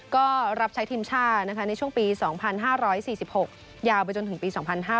ก็รับใช้ทีมชาติในช่วงปี๒๕๔๖ยาวไปจนถึงปี๒๕๕๙